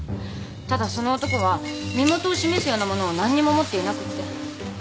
ただその男は身元を示すようなものを何にも持っていなくって。